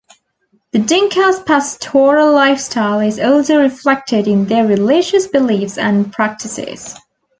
The Dinkas' pastoral lifestyle is also reflected in their religious beliefs and practices.